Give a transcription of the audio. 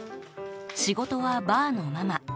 仕事はバーのママ。